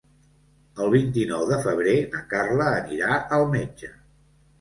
El vint-i-nou de febrer na Carla anirà al metge.